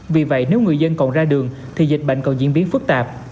vì vậy nếu người dân còn ra đường thì dịch bệnh còn diễn biến phức tạp